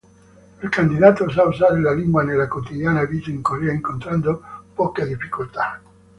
Il candidato sa usare la lingua nella quotidiana vita in Corea incontrando poche difficoltà.